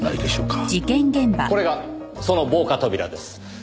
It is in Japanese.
これがその防火扉です。